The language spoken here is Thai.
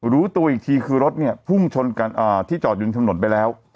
รู้ตัวอีกทีคือรถเนี่ยพุ่งชนกันที่จอดอยู่ริมถนนไปแล้ว